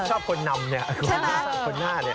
ชอบคนนำเนี่ยคนหน้าเนี่ย